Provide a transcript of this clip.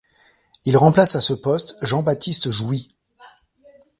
Il remplace à ce poste Jean-Baptiste Jouy.